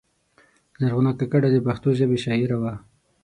زرغونه کاکړه د پښتو ژبې شاعره وه.